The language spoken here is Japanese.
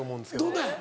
どんなや？